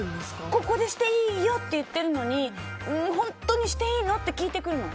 ここでしていいよ！って言ってるのに本当にしていいの？って聞いてくるの！